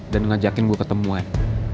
dan ngajakin gue ketemuan